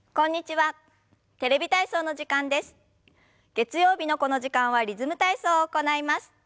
月曜日のこの時間は「リズム体操」を行います。